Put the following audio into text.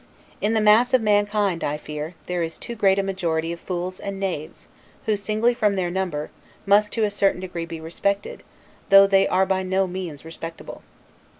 In the mass of mankind, I fear, there is too great a majority of fools and, knaves; who, singly from their number, must to a certain degree be respected, though they are by no means respectable.